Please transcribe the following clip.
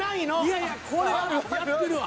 いやいやこれはやってるわ。